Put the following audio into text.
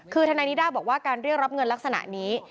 คือทนายนิด้าบอกว่าการเรียกรับเงินลักษณะนี้